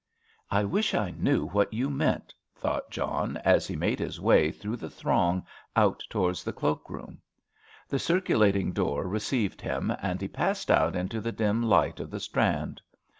"I wish I knew what you meant," thought John, as he made his way through the throng out towards the cloak room. The circulating door received him, and he passed out into the dim light of the Strand.